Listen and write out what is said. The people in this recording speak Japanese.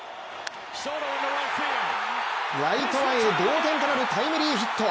ライト前へ同点となるタイムリーヒット。